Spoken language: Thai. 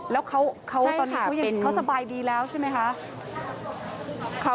แล้วเขาตอนนี้เขาสบายดีแล้วใช่ไหมคะ